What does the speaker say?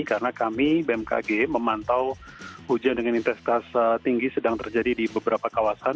karena kami bmkg memantau hujan dengan intensitas tinggi sedang terjadi di beberapa kawasan